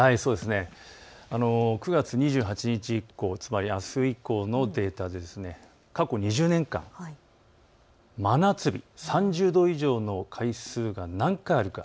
９月２８日以降、あす以降のデータで過去２０年間、真夏日、３０度以上の回数が何回あるか